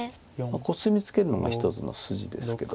コスミツケるのが一つの筋ですけど。